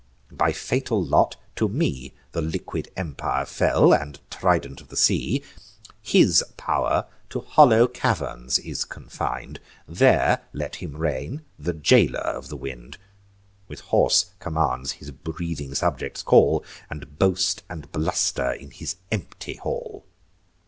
By fatal lot to me The liquid empire fell, and trident of the sea. His pow'r to hollow caverns is confin'd: There let him reign, the jailer of the wind, With hoarse commands his breathing subjects call, And boast and bluster in his empty hall."